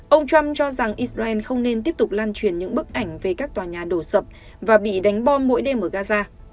ông trump cho rằng israel không nên tiếp tục lan truyền những bức ảnh về các tòa nhà đổ sập và bị đánh bom mỗi đêm ở gaza